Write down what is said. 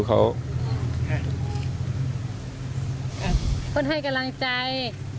คนให้กำลังใจ